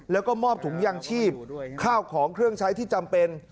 แล้วก็มอบถุงยางชีพข้าวของเครื่องใช้ที่จำเป็น